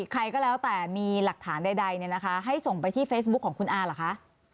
ใครก็แล้วแต่มีหลักฐานใดให้ส่งไปที่เฟซบุ๊คของคุณอาเหรอคะ